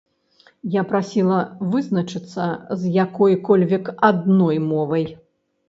Я прасіла вызначыцца з якой-кольвек адной мовай.